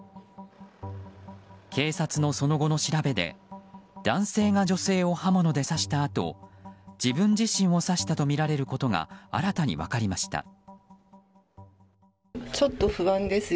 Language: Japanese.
警察のその後の調べで男性が女性を刃物で刺したあと自分自身を刺したとみられることが新たに分かりました。